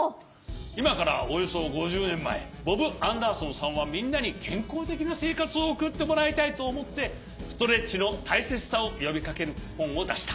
いまからおよそ５０ねんまえボブ・アンダーソンさんはみんなにけんこうてきなせいかつをおくってもらいたいとおもってストレッチのたいせつさをよびかけるほんをだした。